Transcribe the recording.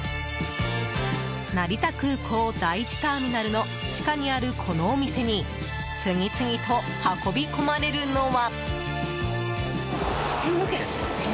成田空港第１ターミナルの地下にあるこのお店に次々と運び込まれるのは。